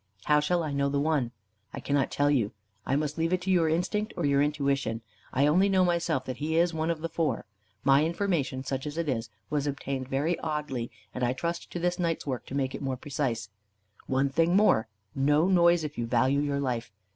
"How shall I know the one?" "I cannot tell you. I must leave it to your instinct, or your intuition. I only know myself that he is one of the four. My information, such as it is, was obtained very oddly, and I trust to this night's work to make it more precise. One thing more: No noise, if you value your life.